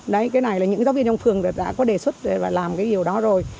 đấy cái này là những giáo viên trong phường đã có đề xuất và làm cái điều đó rồi